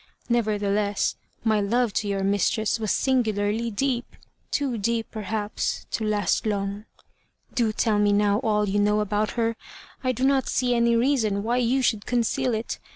Nevertheless, my love to your mistress was singularly deep; too deep, perhaps, to last long. Do tell me now all you know about her; I do not see any reason why you should conceal it.